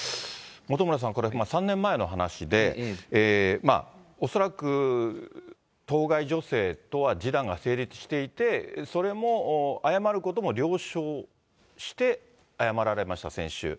本村さん、これ、３年前の話で、恐らく当該女性とは示談が成立していて、それも、謝ることも了承して、謝られました、先週。